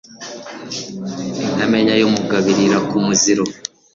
intamenya y'umugabo irira ku muziro